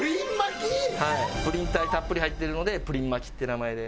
プリン体たっぷり入ってるのでプリン巻きって名前で。